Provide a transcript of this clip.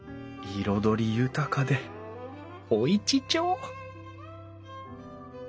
彩り豊かでおいちちょう！